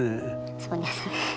そうですね。